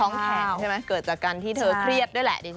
แข็งใช่ไหมเกิดจากการที่เธอเครียดด้วยแหละดิฉัน